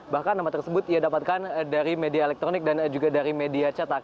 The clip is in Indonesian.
bahkan nama tersebut ia dapatkan dari media elektronik dan juga dari media cetak